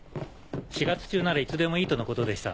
４月中ならいつでもいいとのことでした。